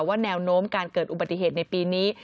แนวโน้มการเกิดอุบัติเหตุในปีนี้